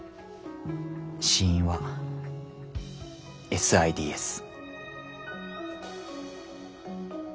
死因はＳＩＤＳ。